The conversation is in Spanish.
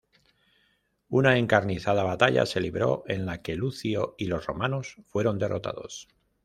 Una encarnizada batalla se libró, en la que Lucio y los romanos fueron derrotados.